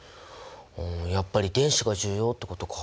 うんやっぱり電子が重要ってことか。